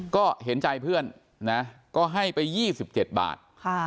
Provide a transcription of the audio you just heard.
ก็เห็นใจเพื่อนนะก็ให้ไป๒๗บาท